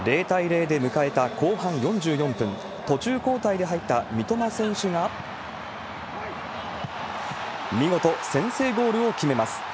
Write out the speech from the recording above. ０対０で迎えた後半４４分、途中交代で入った三苫選手が、見事先制ゴールを決めます。